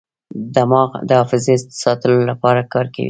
دماغ د حافظې د ساتلو لپاره کار کوي.